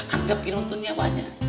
anggap ini untuk nyawanya